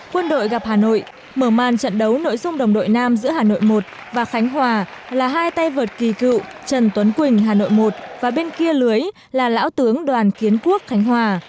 quân đội gặp hà nội mở màn trận đấu nội dung đồng đội nam giữa hà nội một và khánh hòa là hai tay vợt kỳ cựu trần tuấn quỳnh hà nội một và bên kia lưới là lão tướng đoàn kiến quốc khánh hòa